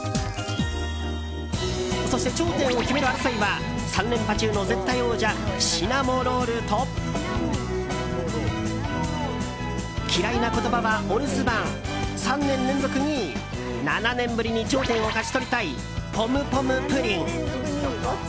そして、頂点を決める争いは３連覇中の絶対王者シナモロールと嫌いな言葉はお留守番３年連続２位７年ぶりに頂点を勝ち取りたいポムポムプリン。